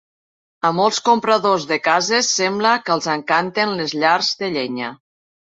A molts compradors de cases sembla que els encanten les llars de llenya.